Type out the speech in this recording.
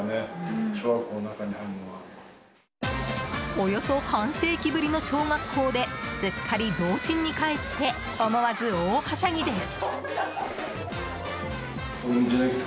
およそ半世紀ぶりの小学校ですっかり童心にかえって思わず大はしゃぎです。